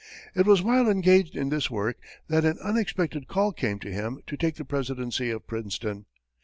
It was while engaged in this work, that an unexpected call came to him to take the presidency of Princeton.